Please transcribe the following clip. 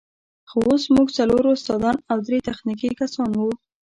خو اوس موږ څلور استادان او درې تخنیکي کسان وو.